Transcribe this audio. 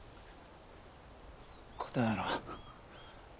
答えろ。